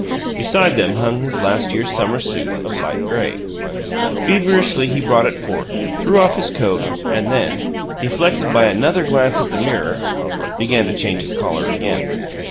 Beside them hung his "last year's summer suit" of light gray. Feverishly he brought it forth, threw off his coat, and then deflected by another glance at the mirror began to change his collar again.